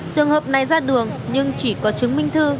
trường hợp này ra đường nhưng chỉ có chứng minh thư